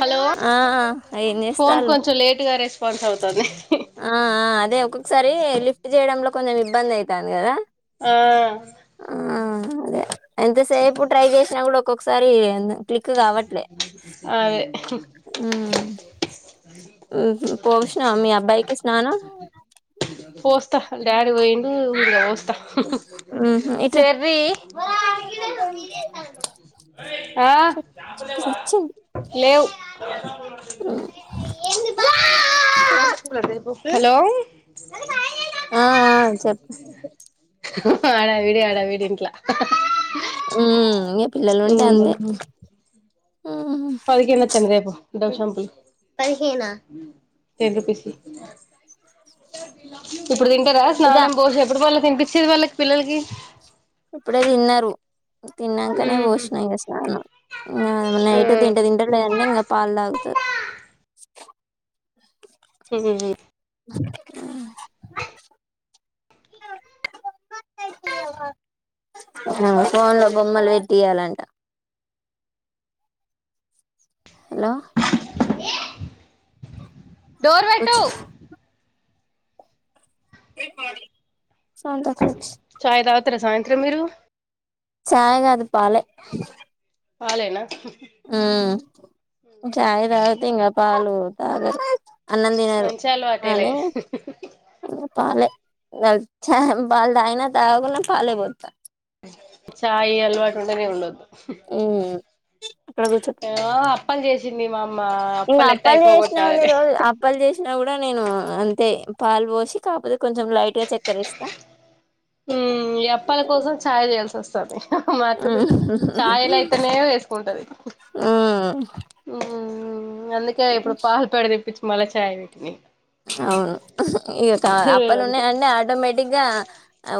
Hello ఆ ఆ ఏం ఫోన్ చేస్తాళ్ళు కొంచెం లేట్గా రెస్పాన్స్ అవుతుంది. ఆ ఆ అదే ఒక్కొక్కసారి లిఫ్ట్ చేయడంలో కొంచెం ఇబ్బందయితాంది కదా ఆ ఆ అదే ఎంతసేపు ట్రై చేసినా గుడా ఒక్కొక్కసారి క్లిక్ కావట్లే అదే మ్ పోసినవా మీ అబ్బాయికి స్నానం. పోస్త ఆళ్ల డాడీ పోయిండు పోస్ స్త మ్మ్ హు ఇట్రా చెర్రీ ఆ చెట్టు చెట్టు లేవు ఆ హలో ఆ ఆ చెప్పు హడావిడి హడావిడి ఇంట్ల మ్ ఇగ పిల్లలుంటే అంతే మ్మ్ [unintelligible] రేపు దోషం టెన్ రుపీస్ ఈ ఇప్పుడు తింటరా ఇదా స్నానం పోషి ఎప్పుడు మళ్ళ తిన్పించేది వాళ్ళ ఇప్పుడే తిన్నరు. తిన్నంకనే ఉహు పోషిన ఇగ స్నానం ఆ నైట్ తింటే తింటరు లేదంటే పాలు తాగుతరు. హ్ అ ఫోన్లో బొమ్మల్ పెట్టియ్యాలంట. హలో అ డోర్ వెట్టు కూర్చో సౌండ్ తక్కో చాయ్ తాగుతరా సాయంత్రం మీరు చాయ్ కాదు పాలే పాలేనా మ్ చాయ్ తాగుతే ఇంగా పాలు తాగరు. అన్నం తినరు మంచి అలవాటే లే అని గ చ పాల్ తాగిన తగకున్న పాలే పోత్త చాయి అలవాటు ఉండనే ఉండొద్దు. ఉమ్ అక్కడ కూర్చో ఏవో అప్పల్ చేసింది మ ఇంగ అప్పల్ చేసిన్ రోజ్ అప్పల్ చేసినా గుడా నేను అంతే పాలు పోసి కాకపోతే కొంచెం లైట్గా చక్కెర ఏస్త మ్ ఈ అప్పల కోసం చాయ్ చేయాల్సి వస్తాది. మా అక్క బిడ్డ చాయిల అయితేనే వేస్కుంటది. మ్ అందుకే ఇప్పుడు పాలు ప్యాకెట్ తెప్పిచి మళ్ళ చాయ్ పెట్టిన ఇ అవును ఇగ అప్పల్ అంతే ఉన్నాయంటే ఆటోమేటిక్గా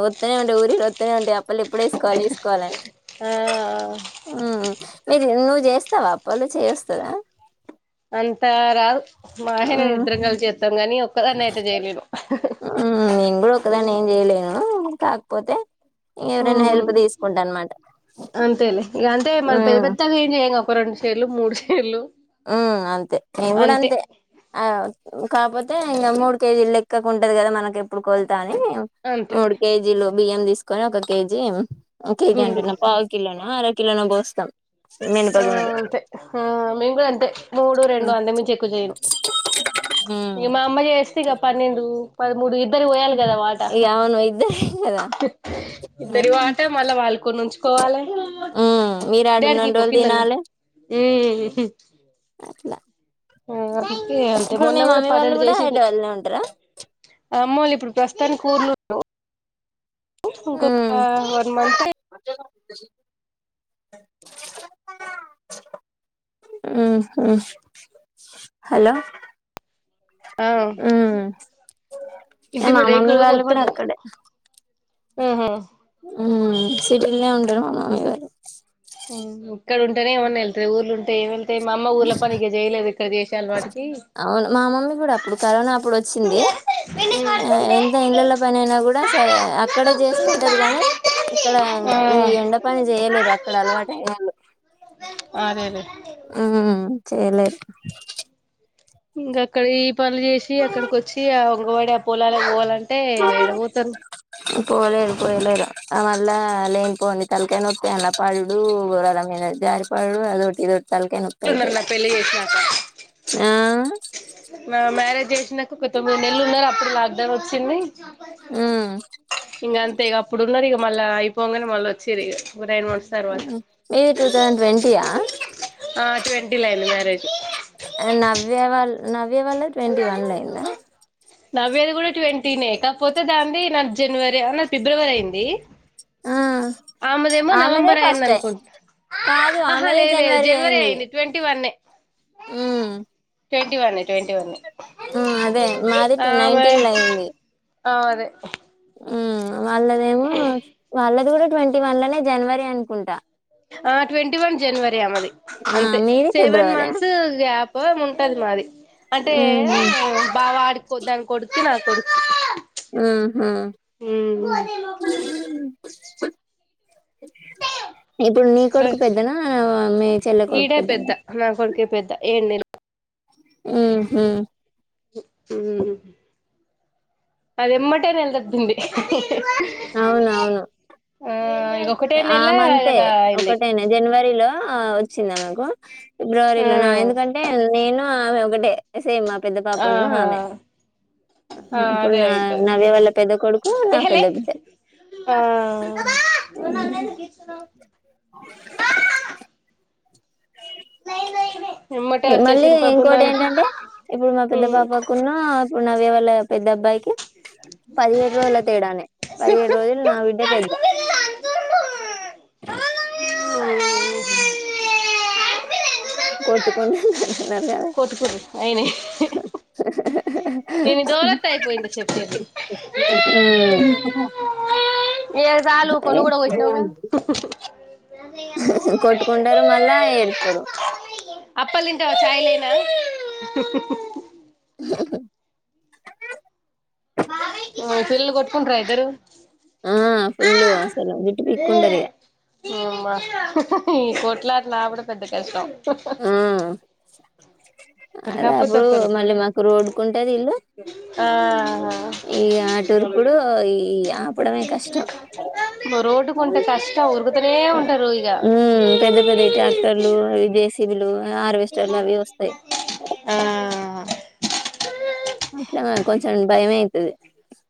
అత్తనే ఉంటయి ఊరిల్ వస్తనే ఉంటయి అప్పుల్ ఎప్పుడు ఏస్కోవాలి ఎస్కోవాలని ఆ నువ్ చేస్తవా అప్పలు చేయవస్తాదా అంతా రాదు మా ఆయన నేను హ్మ్. ఇద్దరం కలిసి చేస్తాం గానీ ఒక్కదాన్నీ అయితే చేయలేను. నేన్ గుడా ఒకదాన్ని ఏం చేయలేను కాకపోతే ఎవరైనా ఉమ్ హెల్ప్ తీస్కుంటా అన్నమాట. అంతేలే ఇగ అంటే మనం పెద్ద పెద్దగా ఏం చేయంగా ఒక రెండు షేర్లు మూడు షే ఆ అంతే నేన్ గుడా అంతే ఆ కాక్పోతే ఇగ మూడు కేజీలు లెక్కకు ఉంటది కదా మనకెప్పుడు కొళ్తా అంతే మూడు కేజీలు బియ్యం తీస్కొని ఒక కేజీ కేజి గుండు అంటున్న పావు కిలోనో అర కిలోనో పోస్తాం ఆ మినపగుండ్లు అంతే ఆ మేము కూడా అంతే మూడు రెండు అంతక్ మించి ఎక్కువ చెయను ఉమ్ ఇగ్ మా అమ్మ చేస్తే పన్నెండు పదమూడు ఇ దరి పోయాలే కదా వాట ఇగ అవును ఇద్దరే కదా హ, ఇద్దరి వాట మళ్ళా వాళ్ళు కొన్నించుకో. కోవాలే ఉమ్ మీరు డ్యాడి ఆడున్నన్ని కిపో రోజులు తిన్నలు తినాలి ఉమ్ ఉహు అట్లా ఆ ఆకడ్కి అంతే ఇప్పుడు మీ మొన్న కూడా మమ్మీ వాళ్ళు పన్నెండు కూడా చేసింది. హైదరాబాద్లోనే ఉంటారా మా అమ్మోలు ఇప్పుడు ప్రస్తుతానికి ఊర్లు రు ఉ ఇంకొక um one month I um hmm hello ఆ ఉమ్ ఇంటి మా మమ్మీ మీరేకులు వాళ్ళు కూడా కొత్తాగున్నాయ్ అక్కడే ఆహా ఉమ్ సిటిల్నే ఉంటారు మా మామై గారు మ్ ఇక్కడ ఉంటేనే ఏమన్నా వెళ్త ఊర్లు ఉంటే ఎం వెళ్తే మ అమ్మ ఊర్ల పనిక జైలేదు అవును మా మమ్మీ కూడా అప్పుడు కరోనా అప్పుడు వచ్చింది. ఆ ఎంత ఏండ్లల్ల పని అయినా కూడా సరే అక్కడ చేసుకుంటది కాగానీ ఇక్కడ ఈ ఎండ పని చే ఎలేర్ అక్కడ అలవాట్ ఆ అదేలే ఉమ్ చేయ్లేరు ఇంకా అక్కడ ఈ పనులు చేసి అక్కడికి వచ్చి ఆ ఒంగవాడి ఆ పొలాలక్ పోవాలం టే ఎడ ఓతరు పోలేరు పోయ్లేరు ఆ మళ్ళ లేన్పోని తలకాయనొప్పి అన్న పడుడు గరం మీద జారిపాడుడూ అదోట్ ఇదోట్ ట్లున్నార్ నా పెళ్ళి చేసినాక, ఆ నా మ్యారేజ్ చేసినకు ఒక తొమ్మిది నెల్లు ఉన్నారు అప్పుడు లాక్ డౌన్ వచ్చింది ఉమ్ ఇప్పుడున్నార్ ఇగా మళ్ళ అయిపోగానే మళ్ళీ వచ్చిర్ ఇగా గురైన్ మస్తర్వాత ఉమ్. మీది టూ థౌజండ్ ట్వంటీయా ఆ ట్వంటీలైంది మ్యారేజ్ అల్ నవ్య వాళ్ళద్ ట్వంటి వన్లైందా టినే కాపోతే దాన్ది నా జనవరి నా ఫిబ్రవరి అయింది. ఆ ఆమెదేమో ఆమెదే నవంబర్ అయింద్ ఫస్ట్ అనుకుంట కాదు ఆహా ఆమెదే లే లే జనవరి జనవరే అయింది ట్వంటీ వన్నే ఉమ్ ట్వంటీ వన్నె ట్వంటీ వన్నె. ఉమ్ అదే మాది ఆమె నైన్టీన్ లో అయింది ఆమదే ఉమ్ వాళ్ళదేమో వాళ్ళది కూడా ట్వంటీ వన్లనే జనవరి అనుకుంట. ఆ ట్వెంటీ వన్ జనవరి దే అమది ఆ అంతే మీది సెవెన్ ఫిబ్రవరి ఆ మంత్స్ గ్యాపో ఎం ఉంటది మాది అంటే ఉహు బావాడ్కో దన్ కొడుకు నా కొడుకు మ్మ్ హు ఇప్పుడు నీ కొడుకు పెద్దనా ఆ మీ చెల్లె కొడుకు ఈడే పెద్దనా. పెద్ద నా కొడుకే పెద్ద ఏడు నెలలు మ్మ్ హు మ్ మ్మ్ అద్ ఎమ్మటే నెల్తప్పింది అవునవును ఇక ఒకటే ఆ నెల మంతే కదా అయింది ఒకటేనా జనవరిలో ఆ వచ్చింద్ ఆమెకు ఆ ఫిబ్రవరిలో నా ఎందుకంటే నేను ఆమె ఒకటే సేమ్ అప్ పెద్ద పాపున్న ఆహా ఆమె ఆహ ఆ ఇప్పుడు అదే నా అయితది నవ్య వాళ్ళ పెద్ద కొడుకు నా ఎహెలే పెద్ద బిడ్డ ఆ మరి హ్మ్. నన్నెందుకు గిచ్చినావ్ ఎమ్మటే మళ్ళీ వచ్చేసింది పాపం ఇంకోటి దానికి ఏంటంటే ఇప్పుడు మా పెద్ద ఉమ్ పాపకున్న ఊ నవ్య వాళ్ళ పెద్ద అబ్బాయికి పదిహేడు రోజల తేడనే పదిహేడు రోజలు నాబిడ్డే పె ఆ కొట్టుకొండి అని అంటున్నారు కదా కొట్టుకుర్రి ఆహా ఆఆహా దీని దోరాత్అయిపోయింది సెప్పేది ఉమ్ ఇంగ సాలు ఊకో నువ్‌గుడా కొట్టినావ్‌గా ఉహూ కొట్టుకుంటారు మళ్ళా ఏడుస్తారు అప్పల్తింటావా చాయ్ చాయ్ హ్మ్ ఉహూ హ్మ్ పిల్లలు కొట్ట్కుంటారా ఇద్దరు ఆ ఫుల్ అసలు జుట్టు పీక్కుంటారు ఇక హ్మ్ మా ఈ కొట్లాట్లు అపుడు పెద్ద కష్టం ఉహ్మ్ ఆ ఒకరు అది కాకపోతే అప్పుడు ఒకరు మళ్ళీ మాకు రోడ్కుంటది ఇల్లు ఆ ఇగా అటువురుకుడు ఇగా ఆపడమే కష్టం రోడ్డుకుంటే కష్టం ఉరుకుతూనే ఉంటారు ఇగ హ్మ్ పె ద్ద పెద్దయి ట్రాక్టర్లు అవి జేసి ఆర్విస్టర్లు అవి వస్తాయ్ ఆ అట్లనే కొం చం భయమైతాది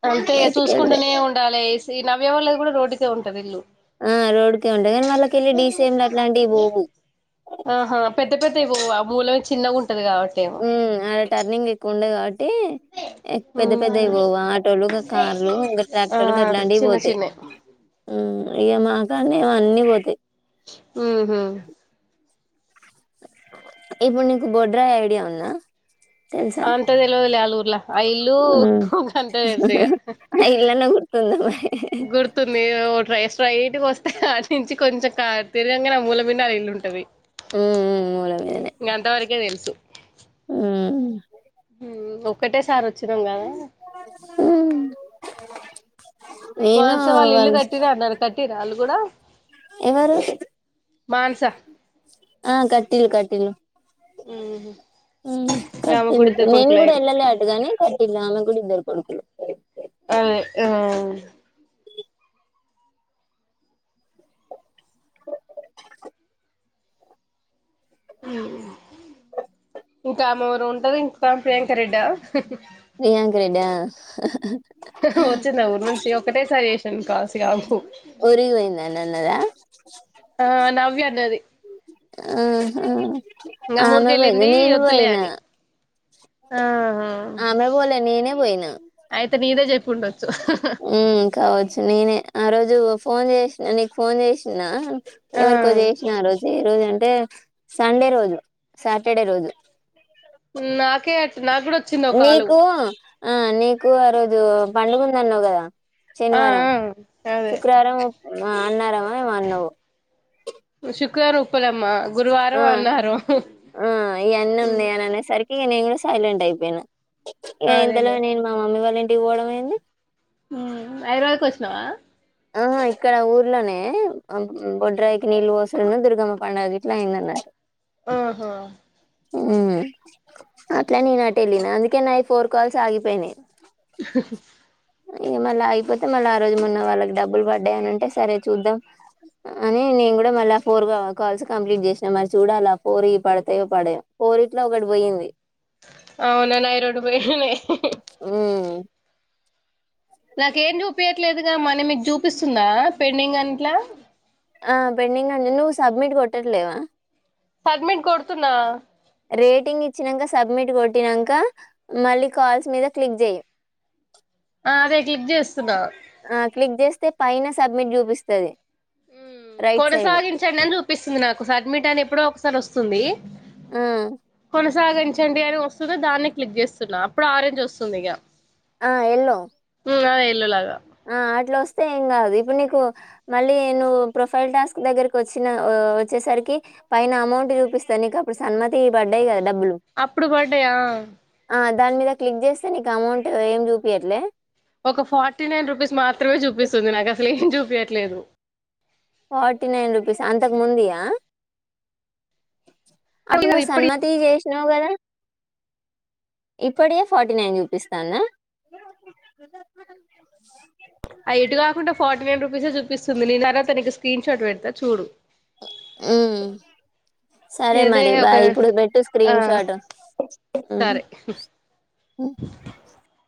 అంతే ఇగా చూసుకుంటూనే ఉండాలే ఈ నవ్య వాళ్ళది కూడా రోడ్కే ఉంటది ఇల్లు ఆ రోడ్కే ఉంటాయి కానీ వాళ్ళకెళ్ళి డీసిసేం అట్లాంటివి పోవు ఆహా పెద్ద పెద్దయి పోవా మూలవి చిన్నగుం ఉహ్మ్ అడ టర్నింగ్ ఎక్కువుండే కాబట్టి పెద్ద పెద్దయి పోవు ఆటోలు గ కార్లు ఇంక ఆ ట్రాక్టర్ అదే గాట్లాంటియి చిన్న పోతాయి చిన్నయి ఉహ్మ్ ఇగ మా కాడనేమో అన్ని పోతాయ్ ఉహ్మ్ ఇప్పుడు నీకు బొడ్రాయ్ ఐడియా ఉందా తెలుసా అంతా తెలువదులే ఆల్లూర్ అ ఇల్లు ఉమ్ గంతే తెలుసుఇగ అయి ఇల్లనే గుర్తుందా మరి గుర్తులేదో రోట్రై స్ట్రైట్‌గోస్తే అటినుంచి కొంచెం తిరగంగానే ఆమూలబింనే అల్లా ఇల్లుంటది ఉమ్ ఉమ్ మూల మీదనే ఇంగ అంతవరకే తెలుసు ఉమ్ హ్మ్ ఒక్కటే సారి వచ్చినాం కదా ఉమ్ మానస వాళ్ళు ఇల్లు కట్టిన అన్నారు కట్టిరా ఆళ్లు కూడా ఎవరు మానస ఆ కట్టిల్లు కట్టిల్లు ఉహు ఉమ్ ఇంగ ఆమె కూడా కట్టిల్లు ఇద్దరు నేను కూడా కొడుకులయ్యిర్రు ఏళ్ళలే అటుగాని టిల్లు ఆమెకుడా ఇద్దరు కొడుకులు అవే ఆ హ్మ్ ఇంక ఆమె ఎవరో ఉంటది ఇంకా ప్రియాంక రెడ్డా ప్రియాంక రెడ్డా వచ్చిందా ఊరి నుంచి ఒకటే సారి చేసినాను కాల్స్ కావచ్చు ఊరికిపోయింది అని అన్నదా ఆ నవ్య అన్నది ఆహా ఇంగ ఆమె పోయిందా నేను పోయినా ఆహా ఆమె పోలే నేనే పోయినా అయితే నీదే చెప్పిండొచ్చు హ్మ్ కావచ్చు నేనే ఆ రోజు ఫోన్ చేసిన నీకు ఫోన్ చేసీన్న ఆ ఎవరికో చేసిన ఆరోజు ఎ రోజు అంటే సండే రోజు సాటర్డే రోజు హ్మ్ నాకే అట్ నాగూడా వచ్చింది ఓ కాలు నీకు ఆ నీకు ఆ రోజు పండు ముంద అన్నావు కదా ఆ శనివారం ఆ అదే శుక్రవారం అన్నారమా నువ్ శుక్రవారం ఉప్పలమ్మ ఆ గురువారం అన్నారం ఆ ఇయన్న ఉందిననే సరికింగ్ సైలెంట్ అయిపోయినా ఇక ఇంతలో అదేలే నేను మా మమ్మీ వాళ్ళ ఇంటికి పోవడం అయింది ఐరోయ కో వచ్చినవా ఆహ ఇక్కడ ఊర్లోనే బొడ్రాయికి నీళ్ళ వసరను దుర్గమ్మ పండుగ గ ఇట్లా అయిందన్నారు ఆహా అట్లా నేను అటు వెళ్ళిన అందుకే నా ఈ ఫోర్ కాల్స్ ఆగిపోయినాను ఇ మళ్ళీ అయిపోతే మళ్ళీ ఆ రోజు మొన్న వాళ్ళకి డబ్బులు పడ్డాయని అంటే సరే చూద్దాం అని నేను కూడా మళ్ళీ ఆ ఫోర్ కాల్స్ కంప్లీట్ చేసినా మరి చూడాలి ఆ ఫోర్ ఈ పడతాయో పడ పోరిట్లో ఒకడి పోయింది అవుననుయి రోడు పోయినే ఉమ్ నాకేం చూపించట్లేదుగా మన మీకు చూపిస్తుందా పెండింగ్ అట్లా ఆ పెండింగ్ అండి నువ్వు సబ్మిట్ కొట్టట్లేవా సడమిట్ కొడుతునా రేటింగ్ ఇచ్చినాక సబ్మిట్ కొట్టినాక మళ్ళీ కాల్స్ మీద క్లిక్ చెయ్య ఆ అదే క్లిక్ చేస్తున్నా ఆ క్లిక్ చేస్తే పైన సబ్మిట్ చూపిస్తుంది కొనసాగించండి అని చూపిస్తుంది నాకు సడ్మిట్ అని ఎప్పుడో ఒకసారి వస్తుంది ఆ మనసాగించండి అని వస్తుంది దాన్ని క్లిక్ చేస్తున్నాను అప్పుడు ఆరెంజ్ వస్తుంది ఇక ఆ ఎల్లోో వెళ్ళలాగా ఆ అట్లా వస్తే ఏం కాదు ఇప్పుడు నీకు మళ్ళీ ప్రొఫైల్ టాస్క్ దగ్గరి వచ్చ వచ్చేసరికి పైన అమౌంట్ పిస్తాను నక అప్పుడు సన్మతి పడ్డాయి కదా డబ్బులు అప్పుడు పడ్డాయా దాని మీద క్లిక్ చేస్తే నీకు అమౌంట్ ఏం చూపయట్లే ఒక ఫార్టీ నైన్ రూపీస్ మాత్రమే చూపిస్తుంది నాకు అసలు ఏం చూపించట్లేదు ఫార్టీ నైన్ రుపీస్ అంతకు ముందయా అది అప్పుడు నువ్వు ఇప్పుడు సన్మతి చేసినావు కదా ఇప్పటికే ఫార్టీ నైన్ చూపిస్తాన్న అ ఇటు కాకుండా ఫార్టీ నైన్ రూపీసే చూపిస్తుంది న నాా తనకి స్క్రీన్ షాట్ పెడతా చూడు ఆ సరే ఇదే మరి బా ఒక ఇప్పుడు పెట్టు ఆ స్క్రీన్ షాట్ సరే అ